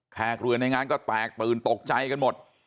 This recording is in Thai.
แขกเรือในงานก็แตกตื่นตกใจกันหมด